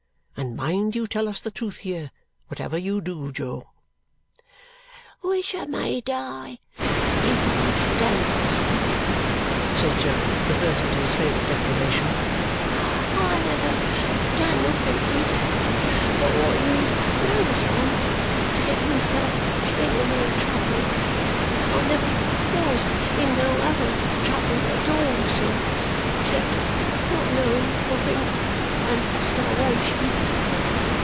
And mind you tell us the truth here, whatever you do, Jo." "Wishermaydie if I don't, sir," says Jo, reverting to his favourite declaration. "I never done nothink yit, but wot you knows on, to get myself into no trouble. I never was in no other trouble at all, sir, 'sept not knowin' nothink and starwation."